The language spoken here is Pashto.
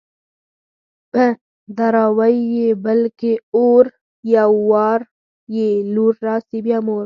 په دراوۍ يې بل کي اور _ يو وار يې لور راسي بيا مور